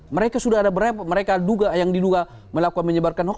mereka sudah ada mereka yang diduga melakukan menyebarkan hoax